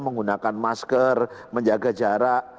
menggunakan masker menjaga jarak